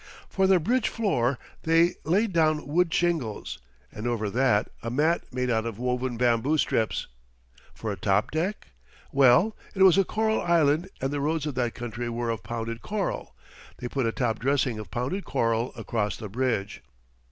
For their bridge floor they laid down wood shingles, and over that a mat made out of woven bamboo strips. For a top deck? Well, it was a coral island and the roads of that country were of pounded coral; they put a top dressing of pounded coral across the bridge.